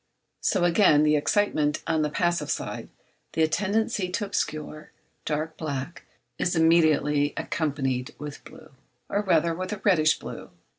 So again the excitement on the passive side, the tendency to obscure, dark, black, is immediately accompanied with blue, or rather with a reddish blue.